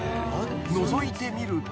［のぞいてみると］